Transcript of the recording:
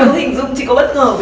mình có những cái cảm xúc tươi mới